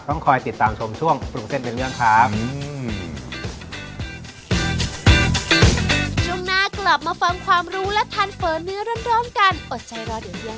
ต้องคอยติดตามชมช่วงปรุงเส้นเป็นเรื่องครับ